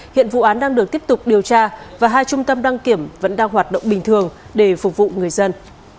hiện vụ án đang được tiếp tục điều tra và hai trung tâm đăng kiểm vẫn đang hoạt động bình thường để phục vụ người dân